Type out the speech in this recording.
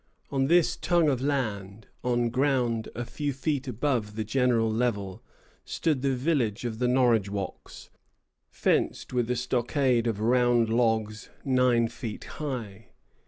On this tongue of land, on ground a few feet above the general level, stood the village of the Norridgewocks, fenced with a stockade of round logs nine feet high.